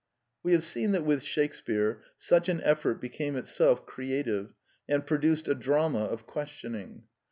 We have seen that with Shakespear such an effort became itself creative and produced a drama of questioning.